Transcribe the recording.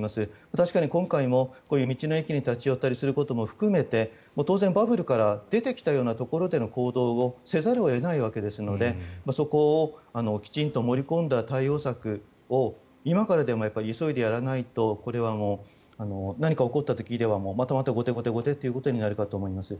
確かに今回もこういった道の駅に立ち寄ったりすることも含めて当然バブルから出てきたようなところでの行動をせざるを得ないわけですのでそこをきちんと盛り込んだ対応策を今からでも急いでやらないとこれは何か起こった時ではまた後手後手になるかと思います。